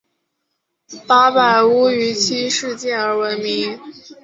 八百屋于七事件而闻名。